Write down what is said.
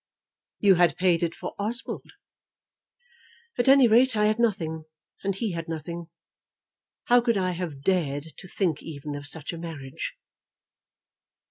"You had paid it for Oswald." "At any rate, I had nothing; and he had nothing. How could I have dared to think even of such a marriage?"